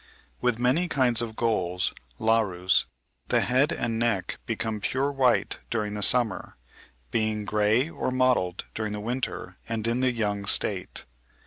With many kinds of gulls (Larus), the head and neck become pure white during the summer, being grey or mottled during the winter and in the young state.